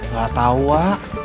nggak tau wa